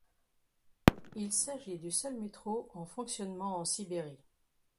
Il s'agit du seul métro en fonctionnement en Sibérie.